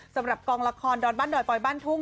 สำหรับกองละครดอนบ้านดอยปอยบ้านทุ่ง